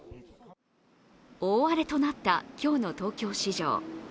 大荒れとなった今日の東京市場。